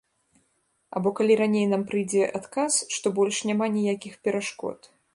Або калі раней нам прыйдзе адказ, што больш няма ніякіх перашкод.